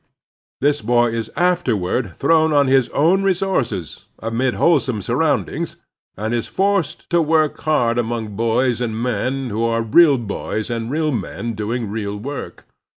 This boy is afterward thrown on his own resources, amid wholesome surrotmdings, and is forced to work hard among boys and men who are real boys and real men doing real work.